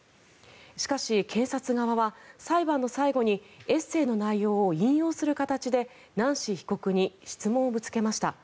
しかし、検察側は裁判の最後にエッセーの内容を引用する形でナンシー被告に質問をぶつけました。